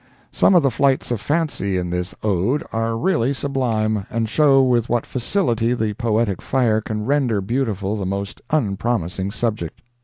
Some of the flights of fancy in this Ode are really sublime, and show with what facility the poetic fire can render beautiful the most unpromising subject.